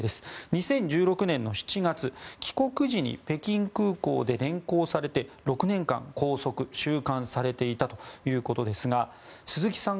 ２０１６年７月、帰国時に北京空港で連行されて６年間、拘束・収監されていたということですが鈴木さん